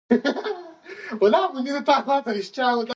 چنګلونه د افغانستان په ستراتیژیک اهمیت کې رول لري.